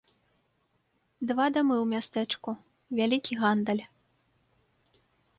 Два дамы ў мястэчку, вялікі гандаль.